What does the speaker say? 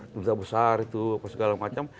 benda besar itu segala macam